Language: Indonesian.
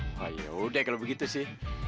oh ya udah kalau begitu sih